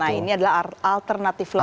nah ini adalah alternatif lain